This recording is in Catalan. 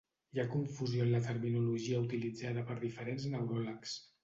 Hi ha confusió en la terminologia utilitzada per diferents neuròlegs.